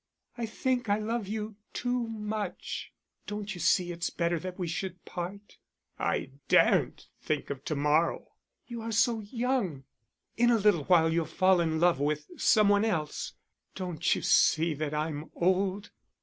"I think I love you too much. Don't you see it's better that we should part?" "I daren't think of to morrow." "You are so young; in a little while you'll fall in love with some one else. Don't you see that I'm old?"